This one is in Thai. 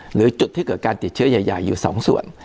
หรือจุดที่เกิดการติดเชื้อใหญ่อยู่๒ส่วน